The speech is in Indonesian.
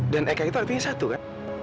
dan eka itu artinya satu kan